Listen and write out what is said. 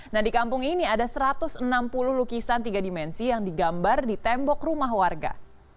nah di kampung ini ada satu ratus enam puluh lukisan tiga dimensi yang digambar di tembok rumah warga